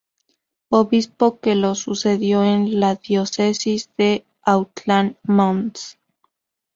Obispo que lo sucedió en la Diócesis de Autlán: Mons.